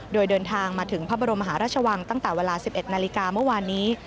โดยเดินทางมาถึงพระบรมหาราชวังตั้งแต่เวลา๑๑นาฬิกาเมื่อวานนี้